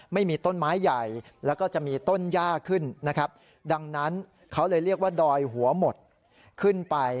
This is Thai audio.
ไม่มีต้นไม้ใหญ่แล้วก็จะมีต้นย่าขึ้นนะครับดังนั้นเขาเลยเรียกว่าดอยหัวหมดขึ้นไป